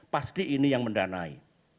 pasti ini yang mendanai